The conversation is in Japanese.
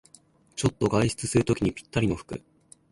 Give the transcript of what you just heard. ちょっと外出するときにぴったりの服